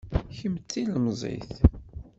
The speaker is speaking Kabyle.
Kemm d tilemẓit